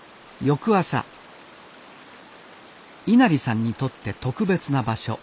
翌朝稲荷さんにとって特別な場所山頂へ。